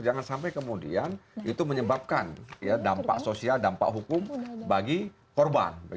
jangan sampai kemudian itu menyebabkan dampak sosial dampak hukum bagi korban